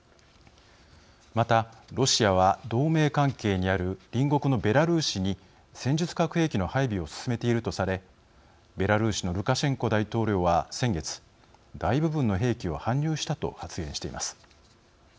また、ロシアは同盟関係にある隣国のベラルーシに戦術核兵器の配備を進めているとされベラルーシのルカシェンコ大統領は先月大部分の兵器を搬入したと発言しています。